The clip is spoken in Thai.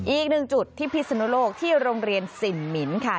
อีกหนึ่งจุดที่พิศนุโลกที่โรงเรียนสินหมินค่ะ